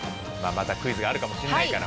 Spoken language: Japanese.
またクイズがあるかもしれないから。